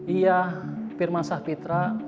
iya firman sahpitra